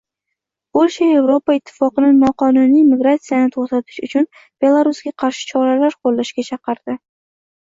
Polsha Yevropa ittifoqini noqonuniy migratsiyani to‘xtatish uchun Belarusga qarshi choralar qo‘llashga chaqirdi